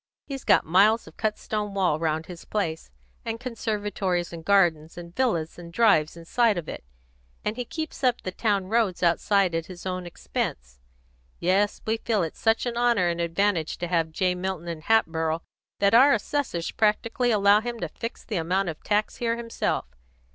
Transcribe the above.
He's got miles of cut stone wall round his place, and conservatories and gardens and villas and drives inside of it, and he keeps up the town roads outside at his own expense. Yes, we feel it such an honour and advantage to have J. Milton in Hatboro' that our assessors practically allow him to fix the amount of tax here himself.